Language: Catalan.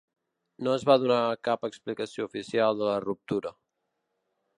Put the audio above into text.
No es va donar cap explicació oficial de la ruptura.